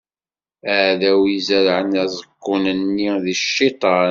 Aɛdaw i izerɛen aẓekkun-nni, d Cciṭan.